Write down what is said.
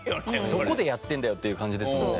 どこでやってんだよっていう感じですもんね。